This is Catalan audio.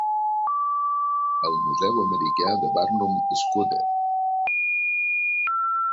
El Museu Americà de Barnum Scudder.